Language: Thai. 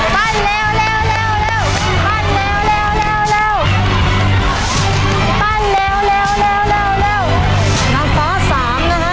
ปั้นแล้วแล้วแล้วแล้วปั้นแล้วแล้วแล้วแล้วแล้วน้ำฟ้าสามนะฮะ